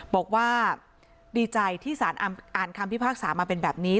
บอกว่าดีใจที่สารอ่านคำพิพากษามาเป็นแบบนี้